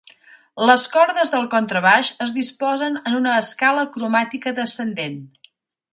Les cordes del contrabaix es disposen en una escala cromàtica descendent.